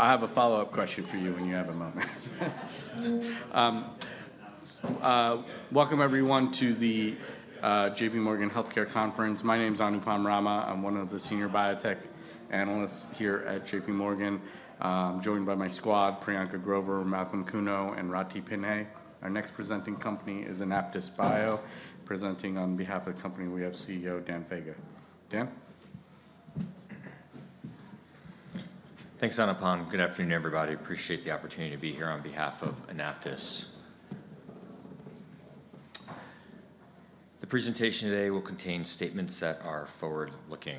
I have a follow-up question for you when you have a moment. Welcome, everyone, to the J.P. Morgan Healthcare Conference. My name is Anupam Rama. I'm one of the senior biotech analysts here at J.P. Morgan, joined by my squad: Priyanka Grover, Malcolm Kuno, and Ratih Pinnay. Our next presenting company is AnaptysBio, presenting on behalf of the company we have CEO Dan Faga. Dan? Thanks, Anupam. Good afternoon, everybody. Appreciate the opportunity to be here on behalf of Anaptys. The presentation today will contain statements that are forward-looking.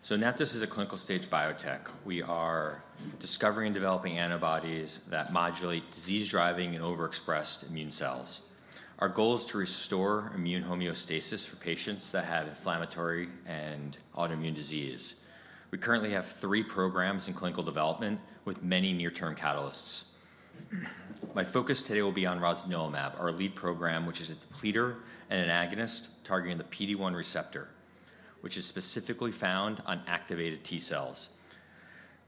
So Anaptys is a clinical-stage biotech. We are discovering and developing antibodies that modulate disease-driving and overexpressed immune cells. Our goal is to restore immune homeostasis for patients that have inflammatory and autoimmune disease. We currently have three programs in clinical development with many near-term catalysts. My focus today will be on Rosnilimab, our lead program, which is a depleter and an agonist targeting the PD-1 receptor, which is specifically found on activated T cells.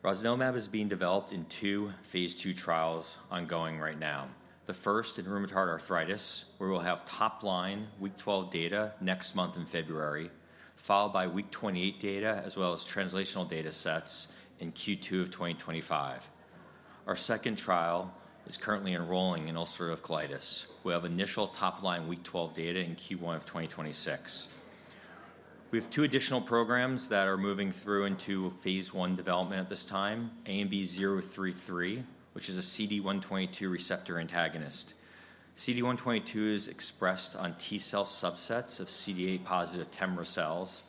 Rosnilimab is being developed in two phase II trials ongoing right now. The first in rheumatoid arthritis, where we'll have top-line week 12 data next month in February, followed by week 28 data, as well as translational data sets in Q2 of 2025. Our second trial is currently enrolling in ulcerative colitis. We'll have initial top-line week 12 data in Q1 of 2026. We have two additional programs that are moving through into phase I development at this time: ANB033, which is a CD122 receptor antagonist. CD122 is expressed on T cell subsets of CD8+ TEMRA cells,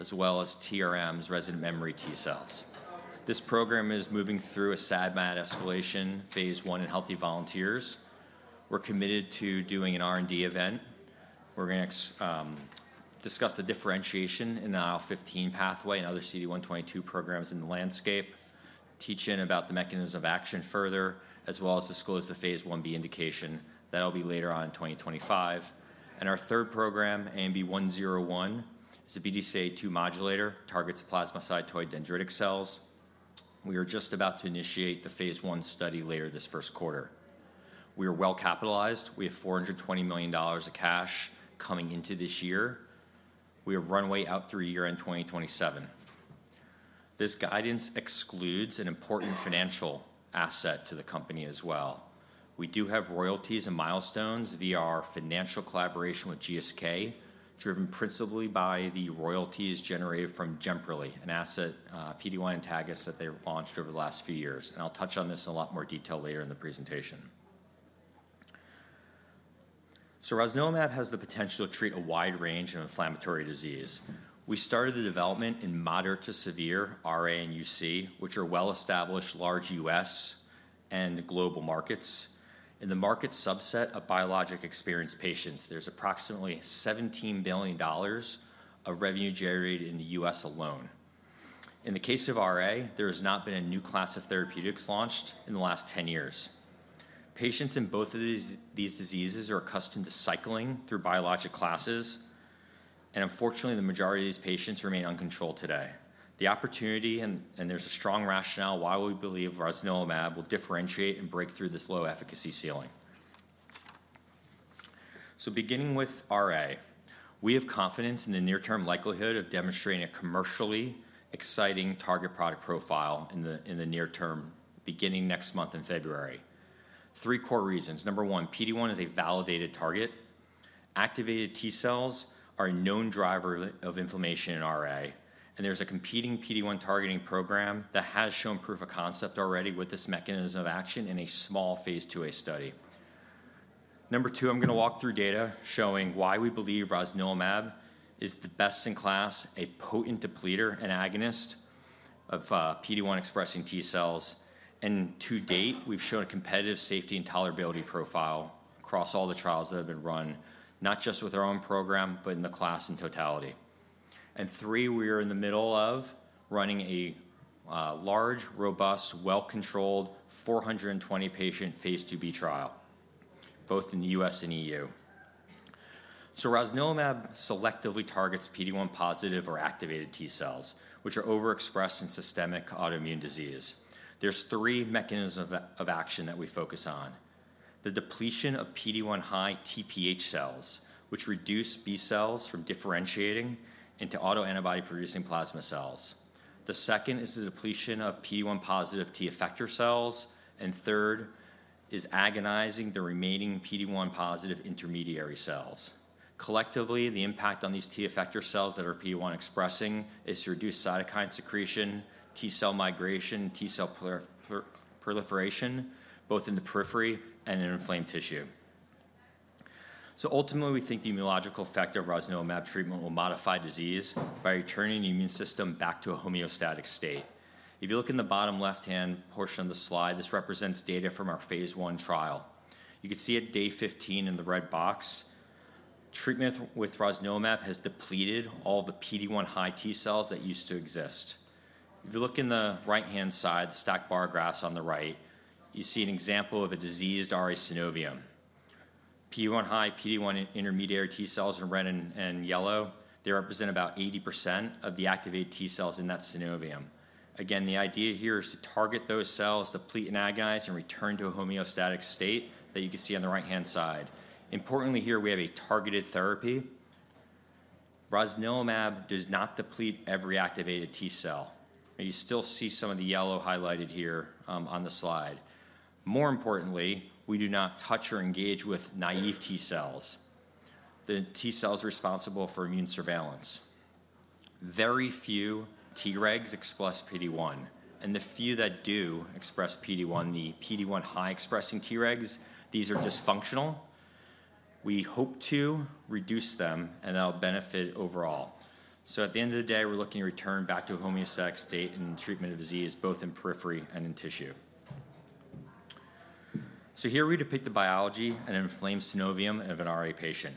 as well as TRMs, resident memory T cells. This program is moving through a SAD/MAD escalation phase I in healthy volunteers. We're committed to doing an R&D event. We're going to discuss the differentiation in the IL-15 pathway and other CD122 programs in the landscape, teach in about the mechanism of action further, as well as disclose the phase I-B indication. That'll be later on in 2025. And our third program, ANB101, is a BDCA2 modulator, targets plasmacytoid dendritic cells. We are just about to initiate the phase I study later this first quarter. We are well capitalized. We have $420 million of cash coming into this year. We have runway out through year end 2027. This guidance excludes an important financial asset to the company as well. We do have royalties and milestones via our financial collaboration with GSK, driven principally by the royalties generated from Jemperli, an asset, PD-1 antagonist that they've launched over the last few years. And I'll touch on this in a lot more detail later in the presentation. So Rosnilimab has the potential to treat a wide range of inflammatory disease. We started the development in moderate to severe RA and UC, which are well-established large U.S. and global markets, in the market subset of biologic experienced patients. There's approximately $17 billion of revenue generated in the U.S. alone. In the case of RA, there has not been a new class of therapeutics launched in the last 10 years. Patients in both of these diseases are accustomed to cycling through biologic classes, and unfortunately, the majority of these patients remain uncontrolled today. The opportunity, and there's a strong rationale why we believe Rosnilimab will differentiate and break through this low efficacy ceiling. So beginning with RA, we have confidence in the near-term likelihood of demonstrating a commercially exciting target product profile in the near term, beginning next month in February. Three core reasons. Number one, PD-1 is a validated target. Activated T cells are a known driver of inflammation in RA, and there's a competing PD-1 targeting program that has shown proof of concept already with this mechanism of action in a small phase II-A study. Number two, I'm going to walk through data showing why we believe Rosnilimab is the best in class, a potent depleter and agonist of PD-1 expressing T cells. And to date, we've shown a competitive safety and tolerability profile across all the trials that have been run, not just with our own program, but in the class in totality. And three, we are in the middle of running a large, robust, well-controlled 420-patient phase II-B trial, both in the U.S. and E.U. So Rosnilimab selectively targets PD-1 positive or activated T cells, which are overexpressed in systemic autoimmune disease. There's three mechanisms of action that we focus on: the depletion of PD-1 high TPH cells, which reduce B cells from differentiating into autoantibody-producing plasma cells. The second is the depletion of PD-1 positive T effector cells. And third is agonizing the remaining PD-1 positive intermediary cells. Collectively, the impact on these T effector cells that are PD-1 expressing is to reduce cytokine secretion, T cell migration, and T cell proliferation, both in the periphery and in inflamed tissue, so ultimately, we think the immunological effect of Rosnilimab treatment will modify disease by returning the immune system back to a homeostatic state. If you look in the bottom left-hand portion of the slide, this represents data from our phase I trial. You can see at day 15 in the red box, treatment with Rosnilimab has depleted all the PD-1 high T cells that used to exist. If you look in the right-hand side, the stacked bar graphs on the right, you see an example of a diseased RA synovium. PD-1 high, PD-1 intermediary T cells in red and yellow, they represent about 80% of the activated T cells in that synovium. Again, the idea here is to target those cells, deplete and agonize, and return to a homeostatic state that you can see on the right-hand side. Importantly here, we have a targeted therapy. Rosnilimab does not deplete every activated T cell. You still see some of the yellow highlighted here on the slide. More importantly, we do not touch or engage with naive T cells, the T cells responsible for immune surveillance. Very few T regs express PD-1, and the few that do express PD-1, the PD-1 high expressing T regs, these are dysfunctional. We hope to reduce them, and that'll benefit overall, so at the end of the day, we're looking to return back to a homeostatic state in treatment of disease, both in periphery and in tissue. So here we depict the biology and inflamed synovium of an RA patient.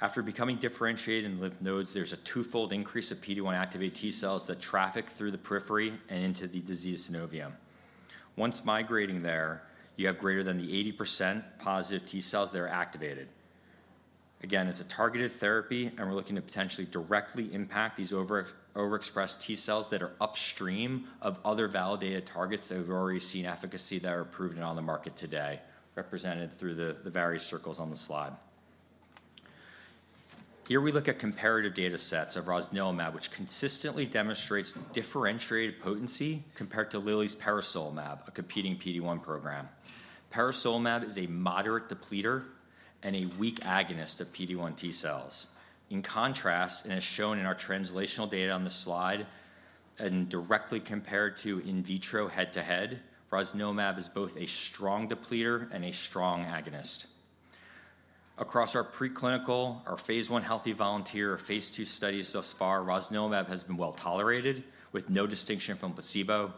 After becoming differentiated in lymph nodes, there's a twofold increase of PD-1 activated T cells that traffic through the periphery and into the diseased synovium. Once migrating there, you have greater than 80% positive T cells that are activated. Again, it's a targeted therapy, and we're looking to potentially directly impact these overexpressed T cells that are upstream of other validated targets that we've already seen efficacy that are proven on the market today, represented through the various circles on the slide. Here we look at comparative data sets of Rosnilimab, which consistently demonstrates differentiated potency compared to Lilly's Peresolimab, a competing PD-1 program. Peresolimab is a moderate depleter and a weak agonist of PD-1 T cells. In contrast, and as shown in our translational data on the slide, and directly compared to in vitro head-to-head, Rosnilimab is both a strong depleter and a strong agonist. Across our preclinical, our phase I healthy volunteer, our phase II studies thus far, rosnilimab has been well tolerated with no distinction from placebo.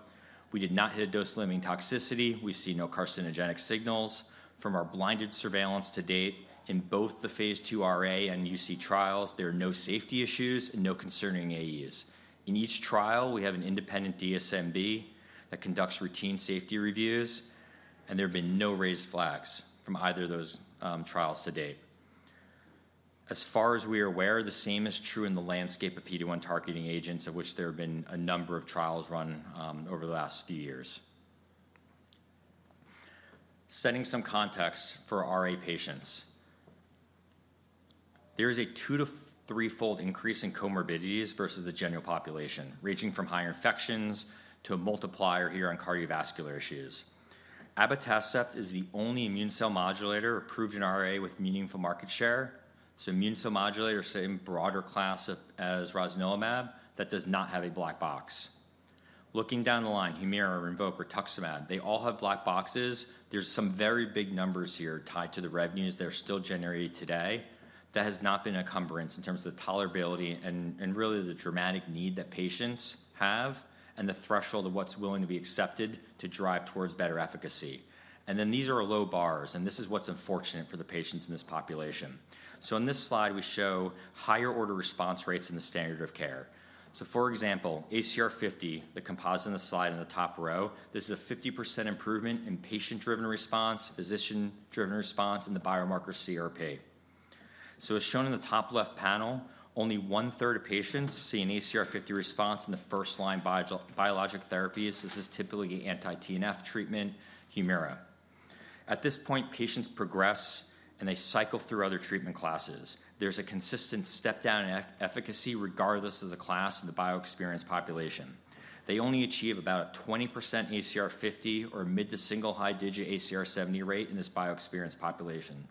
We did not hit a dose-limiting toxicity. We see no carcinogenic signals. From our blinded surveillance to date, in both the phase II RA and UC trials, there are no safety issues and no concerning AEs. In each trial, we have an independent DSMB that conducts routine safety reviews, and there have been no raised flags from either of those trials to date. As far as we are aware, the same is true in the landscape of PD-1 targeting agents, of which there have been a number of trials run over the last few years. Setting some context for RA patients, there is a two to threefold increase in comorbidities versus the general population, ranging from high infections to a multiplier here on cardiovascular issues. Abatacept is the only immune cell modulator approved in RA with meaningful market share. So immune cell modulator, same broader class as Rosnilimab, that does not have a black box. Looking down the line, Humira, Rinvoq, Rituximab, they all have black boxes. There's some very big numbers here tied to the revenues that are still generated today that has not been a congruence in terms of the tolerability and really the dramatic need that patients have and the threshold of what's willing to be accepted to drive towards better efficacy. And then these are low bars, and this is what's unfortunate for the patients in this population. So on this slide, we show higher order response rates in the standard of care. So for example, ACR50, the composite on the slide in the top row, this is a 50% improvement in patient-driven response, physician-driven response, and the biomarker CRP. As shown in the top left panel, only one-third of patients see an ACR50 response in the first line biologic therapy. This is typically anti-TNF treatment, Humira. At this point, patients progress and they cycle through other treatment classes. There's a consistent step-down in efficacy regardless of the class and the bio-experienced population. They only achieve about a 20% ACR50 or mid to single high digit ACR70 rate in this bio-experienced population.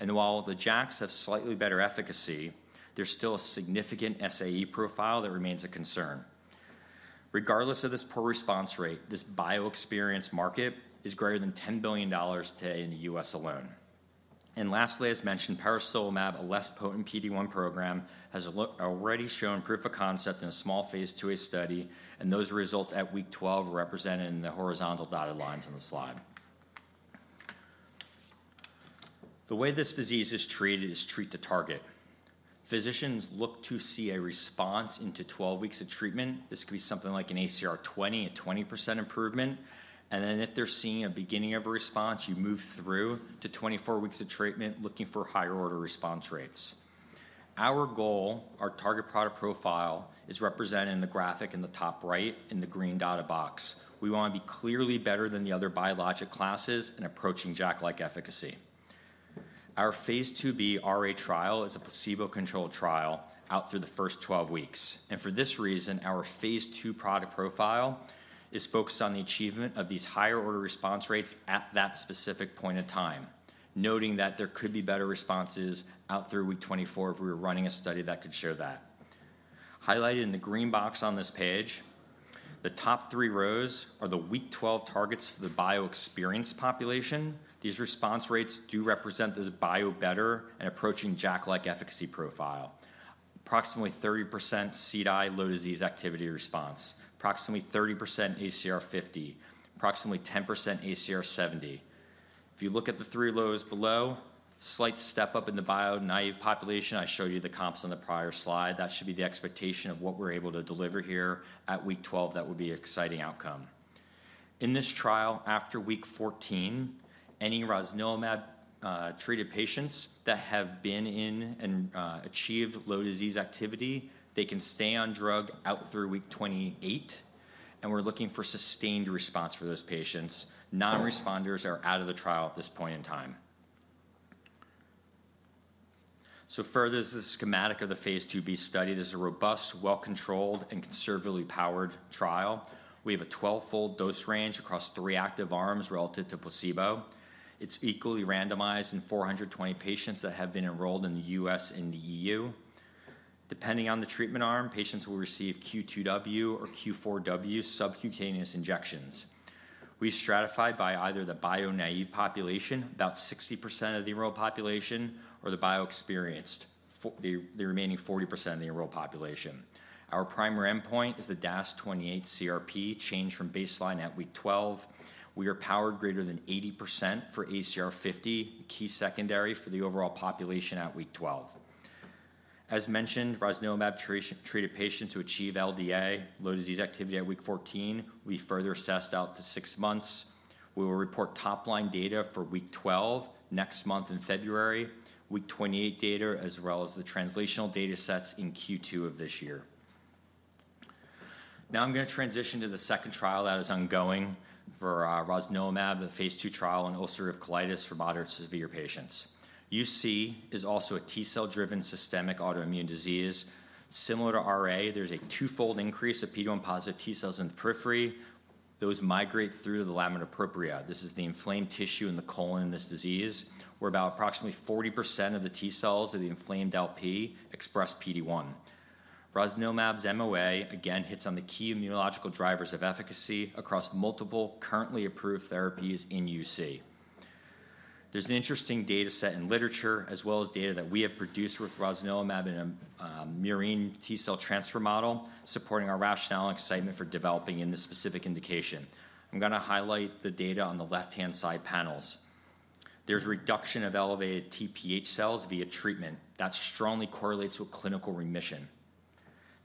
And while the JAKs have slightly better efficacy, there's still a significant SAE profile that remains a concern. Regardless of this poor response rate, this bio-experienced market is greater than $10 billion today in the U.S. alone. Lastly, as mentioned, Peresolimab, a less potent PD-1 program, has already shown proof of concept in a small phase II-A study, and those results at week 12 are represented in the horizontal dotted lines on the slide. The way this disease is treated is treat to target. Physicians look to see a response into 12 weeks of treatment. This could be something like an ACR20, a 20% improvement. Then if they're seeing a beginning of a response, you move through to 24 weeks of treatment looking for higher order response rates. Our goal, our target product profile, is represented in the graphic in the top right in the green dotted box. We want to be clearly better than the other biologic classes and approaching JAK-like efficacy. Our phase II-B RA trial is a placebo-controlled trial out through the first 12 weeks. For this reason, our phase II product profile is focused on the achievement of these higher order response rates at that specific point in time, noting that there could be better responses out through week 24 if we were running a study that could show that. Highlighted in the green box on this page, the top three rows are the week 12 targets for the bio-experienced population. These response rates do represent this bio better and approaching JAK-like efficacy profile. Approximately 30% CDAI, low disease activity response, approximately 30% ACR50, approximately 10% ACR70. If you look at the three rows below, slight step up in the bio-naive population, I showed you the comps on the prior slide. That should be the expectation of what we're able to deliver here at week 12. That would be an exciting outcome. In this trial, after week 14, any Rosnilimab treated patients that have been in and achieved low disease activity, they can stay on drug out through week 28. We're looking for sustained response for those patients. Non-responders are out of the trial at this point in time. Further, this is the schematic of the phase II-B study. This is a robust, well-controlled, and conservatively powered trial. We have a twelvefold dose range across three active arms relative to placebo. It's equally randomized in 420 patients that have been enrolled in the U.S. and the E.U. Depending on the treatment arm, patients will receive Q2W or Q4W subcutaneous injections. We stratify by either the bio-naive population, about 60% of the enrolled population, or the bio-experienced, the remaining 40% of the enrolled population. Our primary endpoint is the DAS28-CRP changed from baseline at week 12. We are powered greater than 80% for ACR50, key secondary for the overall population at week 12. As mentioned, Rosnilimab treated patients who achieve LDA, low disease activity at week 14. We further assessed out to six months. We will report top line data for week 12 next month in February, week 28 data, as well as the translational data sets in Q2 of this year. Now I'm going to transition to the second trial that is ongoing for Rosnilimab, the phase II trial in ulcerative colitis for moderate to severe patients. UC is also a T cell-driven systemic autoimmune disease. Similar to RA, there's a twofold increase of PD-1 positive T cells in the periphery. Those migrate through the lamina propria. This is the inflamed tissue in the colon in this disease, where about approximately 40% of the T cells of the inflamed LP express PD-1. Rosnilimab's MOA again hits on the key immunological drivers of efficacy across multiple currently approved therapies in UC. There's an interesting data set in literature, as well as data that we have produced with Rosnilimab in a murine T cell transfer model, supporting our rationale and excitement for developing in this specific indication. I'm going to highlight the data on the left-hand side panels. There's reduction of elevated TPH cells via treatment. That strongly correlates with clinical remission.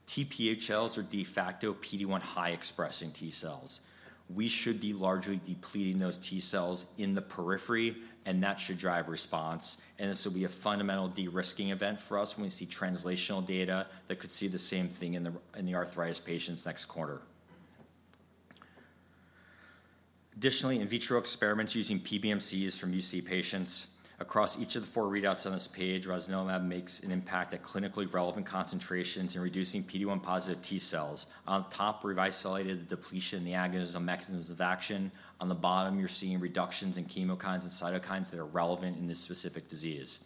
TPH cells are de facto PD-1 high expressing T cells. We should be largely depleting those T cells in the periphery, and that should drive response, and this will be a fundamental de-risking event for us when we see translational data that could see the same thing in the arthritis patients next quarter. Additionally, in vitro experiments using PBMCs from UC patients, across each of the four readouts on this page, Rosnilimab makes an impact at clinically relevant concentrations in reducing PD-1 positive T cells. On top, we've isolated the depletion in the agonism mechanisms of action. On the bottom, you're seeing reductions in chemokines and cytokines that are relevant in this specific disease.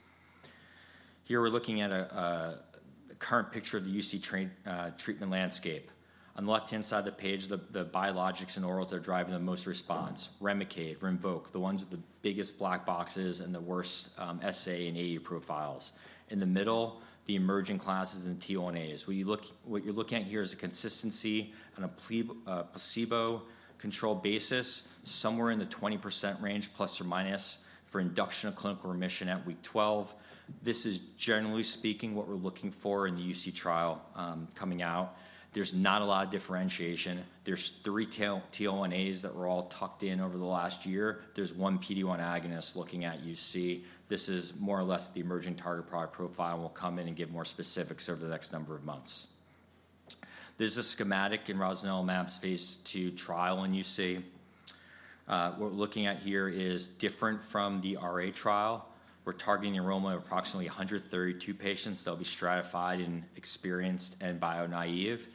Here we're looking at a current picture of the UC treatment landscape. On the left-hand side of the page, the biologics and orals that are driving the most response: Remicade, Rinvoq, the ones with the biggest black boxes and the worst SAE and AE profiles. In the middle, the emerging classes in TL1As. What you're looking at here is a consistency on a placebo-controlled basis, somewhere in the 20% range, plus or minus, for induction of clinical remission at week 12. This is, generally speaking, what we're looking for in the UC trial coming out. There's not a lot of differentiation. There's three TL1As that were all tucked in over the last year. There's one PD-1 agonist looking at UC. This is more or less the emerging target product profile and will come in and give more specifics over the next number of months. This is a schematic in Rosnilimab's phase II trial in UC. What we're looking at here is different from the RA trial. We're targeting the enrollment of approximately 132 patients that will be stratified in bio-experienced and bio-naive.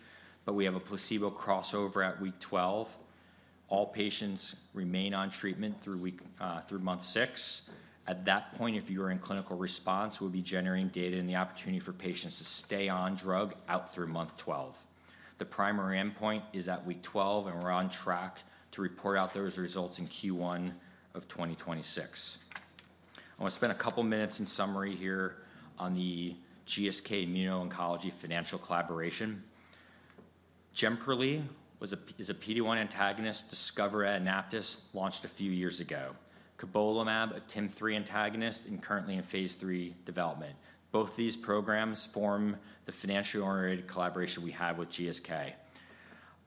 But we have a placebo crossover at week 12. All patients remain on treatment through month six. At that point, if you are in clinical response, we'll be generating data and the opportunity for patients to stay on drug out through month 12. The primary endpoint is at week 12, and we're on track to report out those results in Q1 of 2026. I want to spend a couple of minutes in summary here on the GSK Immuno Oncology Financial Collaboration. Jemperli is a PD-1 antagonist discovered at AnaptysBio by Martin Dahl, launched a few years ago. Cobolimab, a TIM-3 antagonist and currently in phase III development. Both of these programs form the financially oriented collaboration we have with GSK.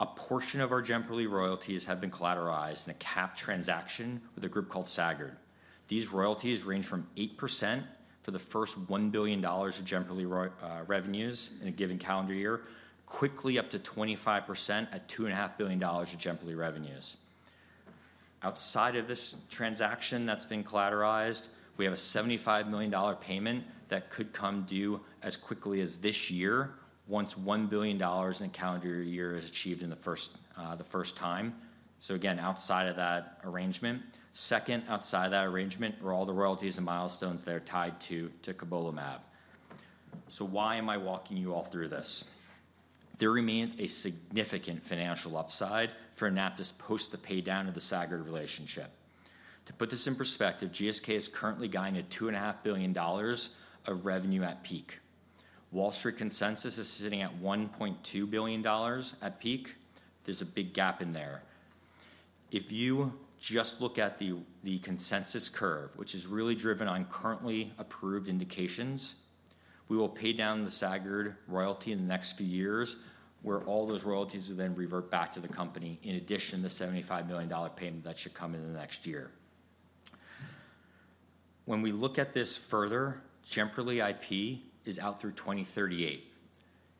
A portion of our Jemperli royalties have been collateralized in a capped transaction with a group called Sagard. These royalties range from 8% for the first $1 billion of Jemperli revenues in a given calendar year, quickly up to 25% at $2.5 billion of Jemperli revenues. Outside of this transaction that's been collateralized, we have a $75 million payment that could come due as quickly as this year, once $1 billion in a calendar year is achieved in the first time. So again, outside of that arrangement. Second, outside of that arrangement are all the royalties and milestones that are tied to Cobolimab. So why am I walking you all through this? There remains a significant financial upside for AnaptysBio post the pay down of the Sagard relationship. To put this in perspective, GSK is currently guiding at $2.5 billion of revenue at peak. Wall Street consensus is sitting at $1.2 billion at peak. There's a big gap in there. If you just look at the consensus curve, which is really driven on currently approved indications, we will pay down the Sagard royalty in the next few years, where all those royalties will then revert back to the company, in addition to the $75 million payment that should come in the next year. When we look at this further, Jemperli IP is out through 2038.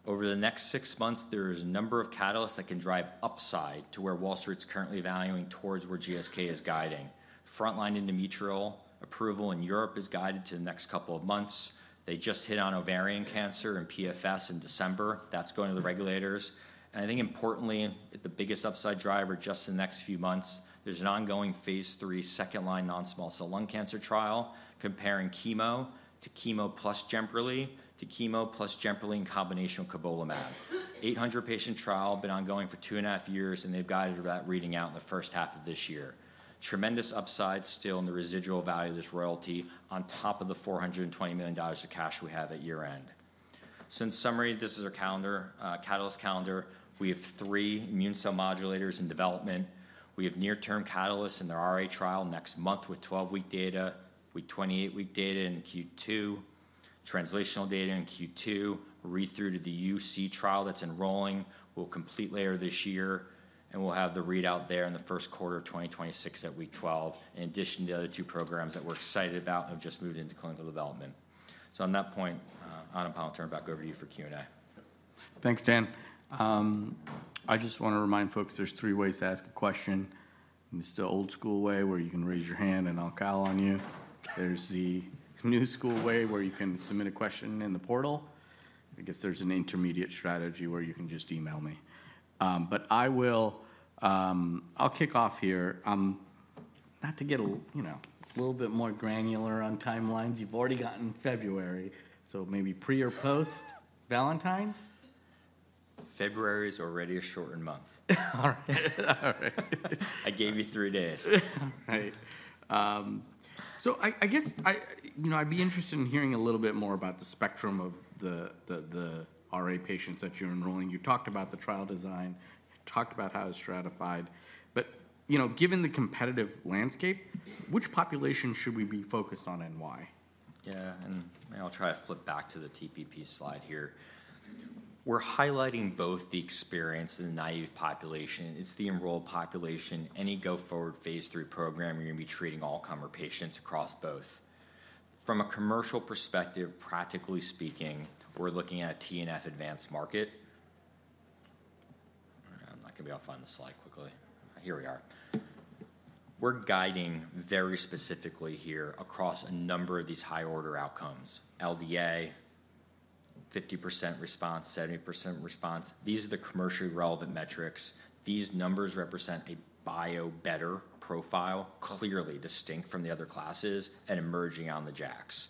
Over the next six months, there is a number of catalysts that can drive upside to where Wall Street's currently valuing towards where GSK is guiding. Frontline endometrial approval in Europe is guided to the next couple of months. They just hit on ovarian cancer and PFS in December. That's going to the regulators. I think importantly, the biggest upside driver just in the next few months. There's an ongoing phase III second line non-small cell lung cancer trial comparing chemo to chemo plus Jemperli to chemo plus Jemperli in combination with Cobolimab. 800-patient trial been ongoing for two and a half years, and they've guided that reading out in the first half of this year. Tremendous upside still in the residual value of this royalty on top of the $420 million of cash we have at year end. In summary, this is our catalyst calendar. We have three immune cell modulators in development. We have near-term catalysts in the RA trial next month with 12-week data, week 28 week data in Q2, translational data in Q2, read-through to the UC trial that's enrolling. We'll complete later this year, and we'll have the readout there in the first quarter of 2026 at week 12, in addition to the other two programs that we're excited about and have just moved into clinical development. So on that point, Anupam, I'll turn it back over to you for Q&A. Thanks, Dan. I just want to remind folks there's three ways to ask a question. It's the old school way where you can raise your hand and I'll call on you. There's the new school way where you can submit a question in the portal. I guess there's an intermediate strategy where you can just email me. But I'll kick off here. Not to get a little bit more granular on timelines, you've already gotten February. So maybe pre or post Valentine's? February is already a shortened month. All right. I gave you three days. So I guess I'd be interested in hearing a little bit more about the spectrum of the RA patients that you're enrolling. You talked about the trial design, talked about how it's stratified. But given the competitive landscape, which population should we be focused on and why? Yeah, and I'll try to flip back to the TPP slide here. We're highlighting both the experienced and the naive population. It's the enrolled population. Any go forward phase III program, you're going to be treating all common patients across both. From a commercial perspective, practically speaking, we're looking at a TNF advanced market. I'm not going to be able to find the slide quickly. Here we are. We're guiding very specifically here across a number of these high order outcomes. LDA, 50% response, 70% response. These are the commercially relevant metrics. These numbers represent a bio-better profile, clearly distinct from the other classes and emerging on the JAKs.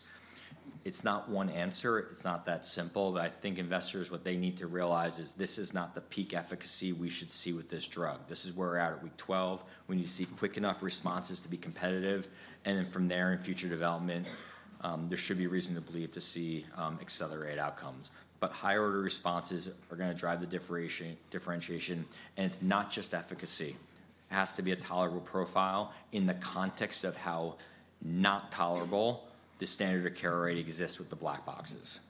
It's not one answer. It's not that simple. But I think investors, what they need to realize is this is not the peak efficacy we should see with this drug. This is where we're at week 12. We need to see quick enough responses to be competitive. And then from there in future development, there should be reason to believe to see accelerate outcomes. But high order responses are going to drive the differentiation. And it's not just efficacy. It has to be a tolerable profile in the context of how not tolerable the standard of care rate exists with the black boxes.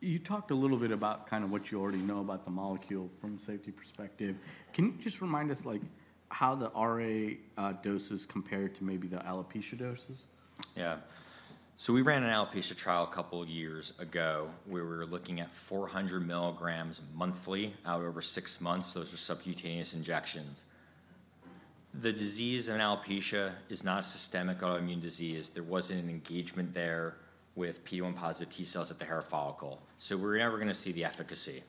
You talked a little bit about kind of what you already know about the molecule from a safety perspective. Can you just remind us how the RA doses compare to maybe the alopecia doses? Yeah. So we ran an alopecia trial a couple of years ago where we were looking at 400 milligrams monthly out over six months. Those are subcutaneous injections. The disease in alopecia is not a systemic autoimmune disease. There wasn't an engagement there with PD-1 positive T cells at the hair follicle. So we're never going to see the efficacy.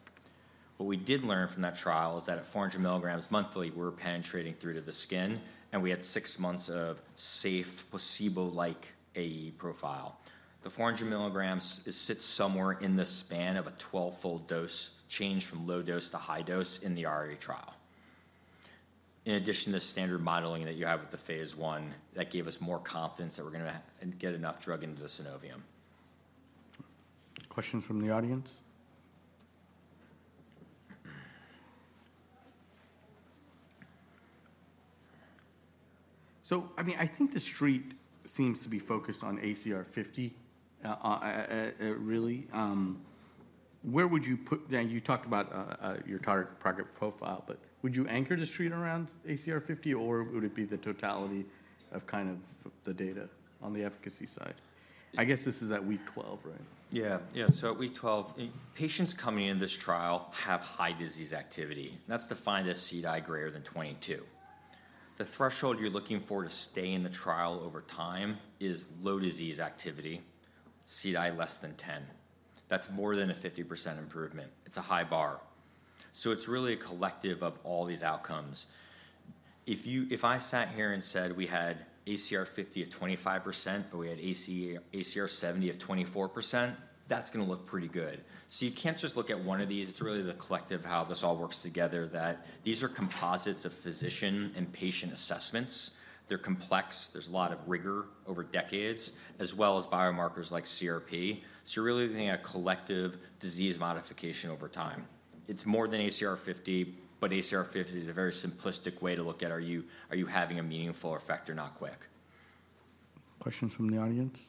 What we did learn from that trial is that at 400 milligrams monthly, we were penetrating through to the skin, and we had six months of safe placebo-like AE profile. The 400 milligrams sit somewhere in the span of a 12-fold dose change from low dose to high dose in the RA trial. In addition to the standard modeling that you have with the phase I, that gave us more confidence that we're going to get enough drug into the synovium. Questions from the audience? So I mean, I think the street seems to be focused on ACR50, really. Where would you put then? You talked about your target product profile, but would you anchor the street around ACR50, or would it be the totality of kind of the data on the efficacy side? I guess this is at week 12, right? Yeah. Yeah. So at week 12, patients coming in this trial have high disease activity. That's defined as CDAI greater than 22. The threshold you're looking for to stay in the trial over time is low disease activity, CDAI less than 10. That's more than a 50% improvement. It's a high bar. It's really a collective of all these outcomes. If I sat here and said we had ACR50 of 25%, but we had ACR70 of 24%, that's going to look pretty good. You can't just look at one of these. It's really the collective of how this all works together that these are composites of physician and patient assessments. They're complex. There's a lot of rigor over decades, as well as biomarkers like CRP. You're really looking at a collective disease modification over time. It's more than ACR50, but ACR50 is a very simplistic way to look at are you having a meaningful effect or not quick. Questions from the audience?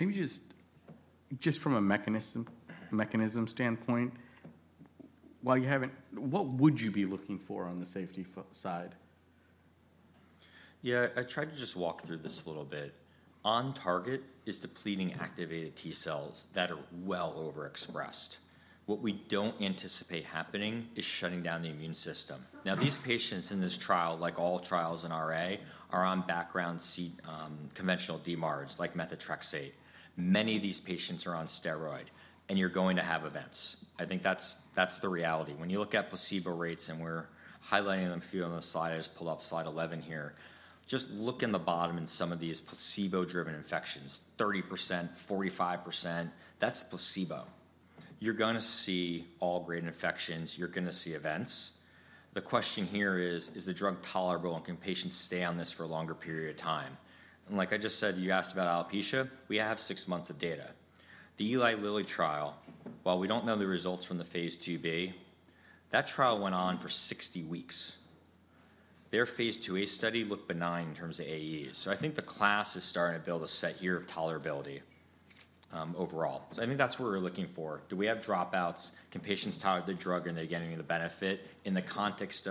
Maybe just from a mechanism standpoint, while you haven't, what would you be looking for on the safety side? Yeah, I tried to just walk through this a little bit. On target is depleting activated T cells that are well overexpressed. What we don't anticipate happening is shutting down the immune system. Now, these patients in this trial, like all trials in RA, are on background conventional DMARDs, like Methotrexate. Many of these patients are on steroids, and you're going to have events. I think that's the reality. When you look at placebo rates, and we're highlighting them for you on the slide, I just pulled up slide 11 here. Just look at the bottom in some of these placebo-driven infections, 30%, 45%, that's placebo. You're going to see all-grade infections. You're going to see events. The question here is, is the drug tolerable, and can patients stay on this for a longer period of time, and like I just said, you asked about Alopecia. We have six months of data. The Eli Lilly trial, while we don't know the results from the phase II-B, that trial went on for 60 weeks. Their phase II-A study looked benign in terms of AEs, so I think the class is starting to build a set here of tolerability overall, so I think that's what we're looking for. Do we have dropouts? Can patients tolerate the drug, and are they getting the benefit in the context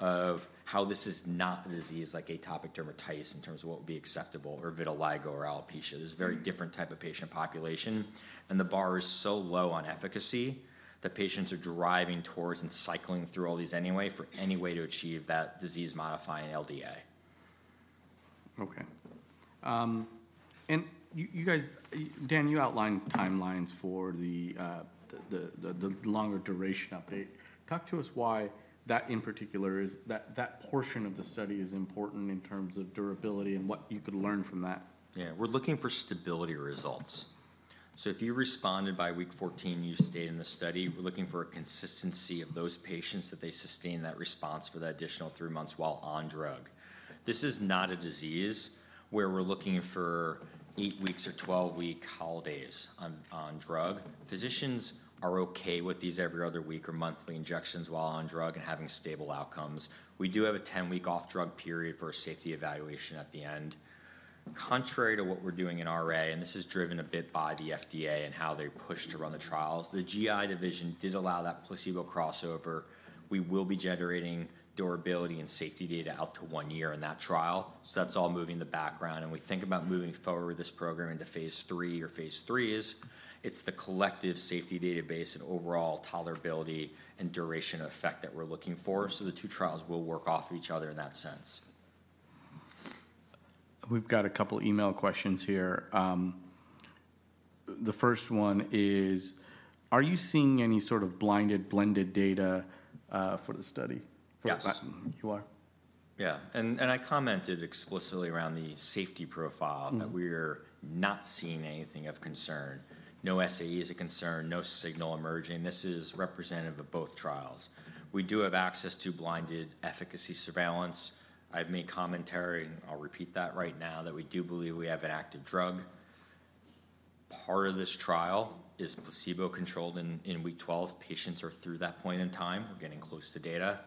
of how this is not a disease like atopic dermatitis in terms of what would be acceptable or vitiligo or alopecia? This is a very different type of patient population, and the bar is so low on efficacy that patients are driving towards and cycling through all these anyway for any way to achieve that disease-modifying LDA. Okay, and you guys, Dan, you outlined timelines for the longer duration update. Talk to us why that, in particular, that portion of the study is important in terms of durability and what you could learn from that. Yeah, we're looking for stability results. So if you responded by week 14, you stayed in the study. We're looking for a consistency of those patients that they sustain that response for that additional three months while on drug. This is not a disease where we're looking for 8-week or 12-week holidays on drug. Physicians are okay with these every other week or monthly injections while on drug and having stable outcomes. We do have a 10-week off-drug period for a safety evaluation at the end. Contrary to what we're doing in RA, and this is driven a bit by the FDA and how they push to run the trials, the GI division did allow that placebo crossover. We will be generating durability and safety data out to one year in that trial. So that's all moving the background. And we think about moving forward with this program into phase III or phase IIIs. It's the collective safety database and overall tolerability and duration of effect that we're looking for. So the two trials will work off each other in that sense. We've got a couple of email questions here. The first one is, are you seeing any sort of blinded blended data for the study? Yes. You are? Yeah. And I commented explicitly around the safety profile that we're not seeing anything of concern. No SAE is a concern, no signal emerging. This is representative of both trials. We do have access to blinded efficacy surveillance. I've made commentary, and I'll repeat that right now, that we do believe we have an active drug. Part of this trial is placebo-controlled in week 12. Patients are through that point in time. We're getting close to data.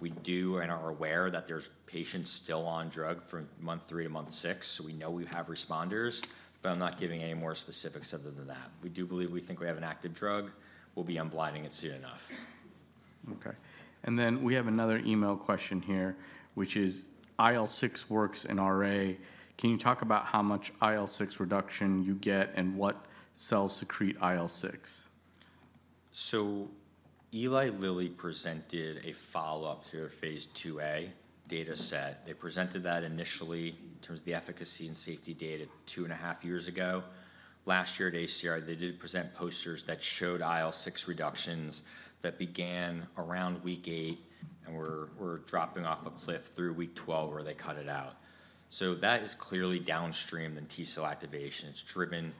We do and are aware that there's patients still on drug from month three to month six. So we know we have responders, but I'm not giving any more specifics other than that. We do believe we think we have an active drug. We'll be unblinding it soon enough. Okay. And then we have another email question here, which is IL-6 works in RA. Can you talk about how much IL-6 reduction you get and what cells secrete IL-6? So Eli Lilly presented a follow-up to a phase IIa data set. They presented that initially in terms of the efficacy and safety data two and a half years ago. Last year at ACR, they did present posters that showed IL-6 reductions that began around week eight. And we're dropping off a cliff through week 12 where they cut it out. So that is clearly downstream than T cell activation. It's driven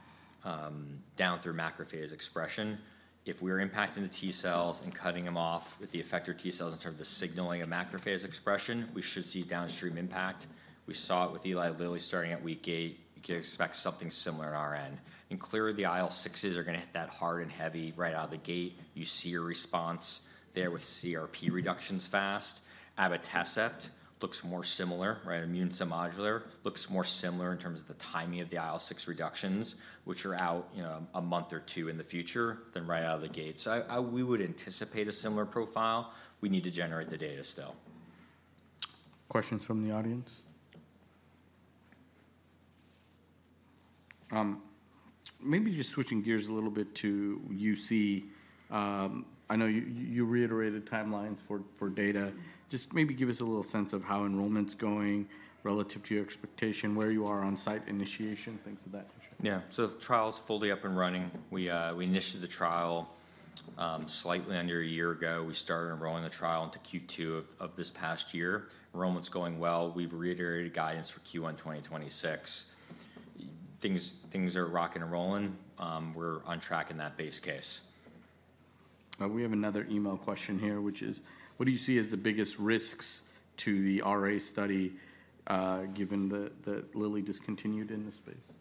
down through macrophage expression. If we're impacting the T cells and cutting them off with the effector T cells in terms of the signaling of macrophage expression, we should see downstream impact. We saw it with Eli Lilly starting at week eight. You can expect something similar on our end. And clearly, the IL-6s are going to hit that hard and heavy right out of the gate. You see a response there with CRP reductions fast. Abatacept looks more similar, right? Immune cell modulator looks more similar in terms of the timing of the IL-6 reductions, which are out a month or two in the future than right out of the gate. So we would anticipate a similar profile. We need to generate the data still. Questions from the audience? Maybe just switching gears a little bit to UC. I know you reiterated timelines for data. Just maybe give us a little sense of how enrollment's going relative to your expectation, where you are on site initiation, things of that nature. Yeah. So the trial's fully up and running. We initiated the trial slightly under a year ago. We started enrolling the trial into Q2 of this past year. Enrollment's going well. We've reiterated guidance for Q1 2026. Things are rocking and rolling. We're on track in that base case. We have another email question here, which is, what do you see as the biggest risks to the RA study given that Lilly discontinued in this space?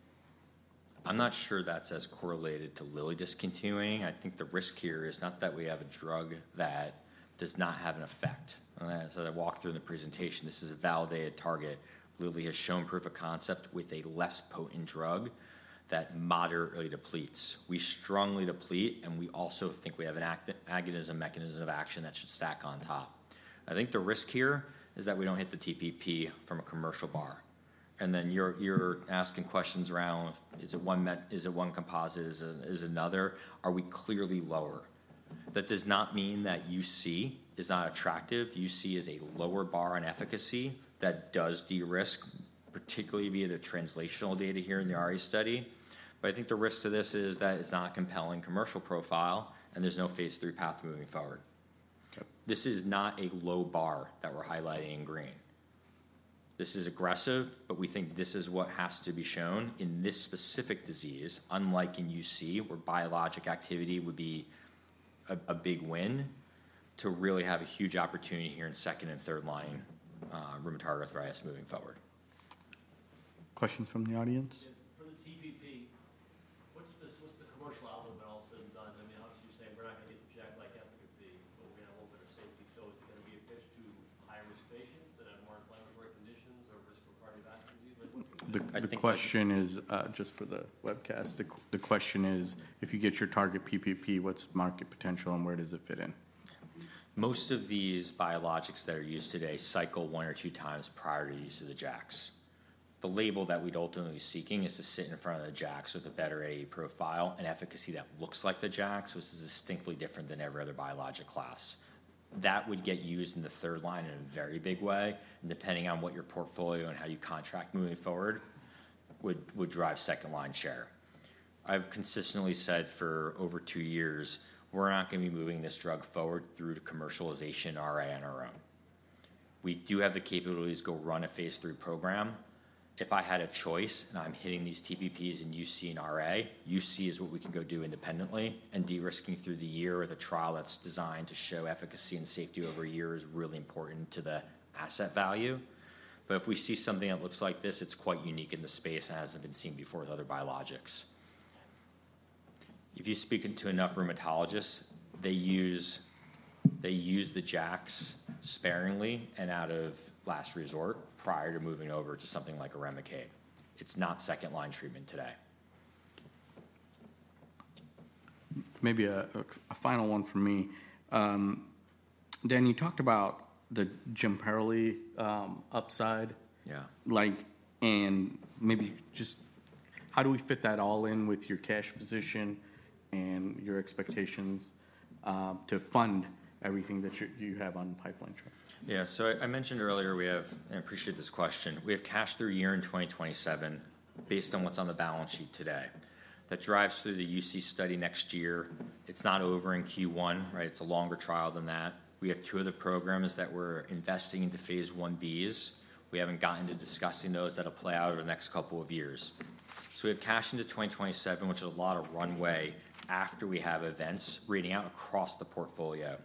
I'm not sure that's as correlated to Lilly discontinuing. I think the risk here is not that we have a drug that does not have an effect. As I walked through in the presentation, this is a validated target. Lilly has shown proof of concept with a less potent drug that moderately depletes. We strongly deplete, and we also think we have an agonism mechanism of action that should stack on top. I think the risk here is that we don't hit the TPP from a commercial bar. And then you're asking questions around, is it one composite? Is it another? Are we clearly lower? That does not mean that UC is not attractive. UC is a lower bar on efficacy that does de-risk, particularly via the translational data here in the RA study. But I think the risk to this is that it's not a compelling commercial profile, and there's no phase III path moving forward. Okay. This is not a low bar that we're highlighting in green. This is aggressive, but we think this is what has to be shown in this specific disease, unlike in UC, where biologic activity would be a big win to really have a huge opportunity here in second and third line rheumatoid arthritis moving forward. Questions from the audience? For the TPP, what's the commercial outlook on all of a sudden dying? I mean, obviously, you're saying we're not going to get the JAK-like efficacy, but we're going to have a little bit of safety. So is it going to be a pitch to high-risk patients that have more inflammatory conditions or risk for cardiovascular disease? The question is, just for the webcast, the question is, if you get your target TPP, what's market potential and where does it fit in? Most of these biologics that are used today cycle one or two times prior to use of the JAK. The label that we'd ultimately be seeking is to sit in front of the JAK with a better AE profile and efficacy that looks like the JAK, which is distinctly different than every other biologic class. That would get used in the third line in a very big way. And depending on what your portfolio and how you contract moving forward would drive second-line share. I've consistently said for over two years, we're not going to be moving this drug forward through to commercialization RA on our own. We do have the capabilities to go run a phase III program. If I had a choice and I'm hitting these TPPs in UC and RA, UC is what we can go do independently. De-risking through the year with a trial that's designed to show efficacy and safety over a year is really important to the asset value. But if we see something that looks like this, it's quite unique in the space and hasn't been seen before with other biologics. If you're speaking to enough rheumatologists, they use the JAK sparingly and as a last resort prior to moving over to something like a Remicade. It's not second-line treatment today. Maybe a final one from me. Dan, you talked about the Jemperli upside. Yeah. And maybe just how do we fit that all in with your cash position and your expectations to fund everything that you have in the pipeline? Yeah. So I mentioned earlier, we have, and I appreciate this question, we have cash through the year in 2027 based on what's on the balance sheet today. That drives through the UC study next year. It's not over in Q1, right? It's a longer trial than that. We have two other programs that we're investing into phase Ib's. We haven't gotten to discussing those that'll play out over the next couple of years. So we have cash into 2027, which is a lot of runway after we have events reading out across the portfolio.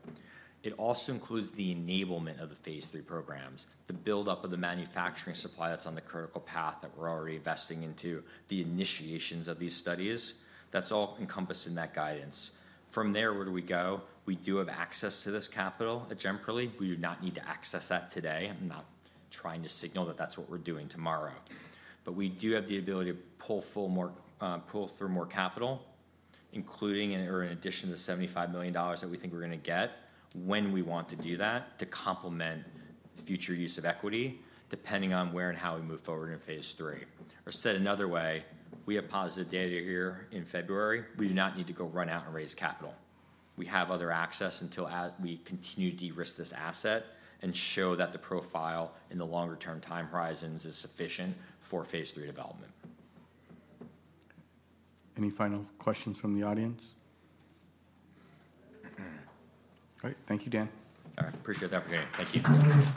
It also includes the enablement of the phase III programs, the build-up of the manufacturing supply that's on the critical path that we're already investing into, the initiations of these studies. That's all encompassed in that guidance. From there, where do we go? We do have access to this capital at Jemperli. We do not need to access that today. I'm not trying to signal that that's what we're doing tomorrow. But we do have the ability to pull through more capital, including or in addition to the $75 million that we think we're going to get when we want to do that to complement future use of equity, depending on where and how we move forward in phase III. Or said another way, we have positive data here in February. We do not need to go run out and raise capital. We have other access until we continue to de-risk this asset and show that the profile in the longer-term time horizons is sufficient for phase III development. Any final questions from the audience? All right. Thank you, Dan. All right. Appreciate the opportunity. Thank you.